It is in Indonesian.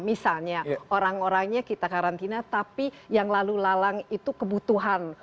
misalnya orang orangnya kita karantina tapi yang lalu lalang itu kebutuhan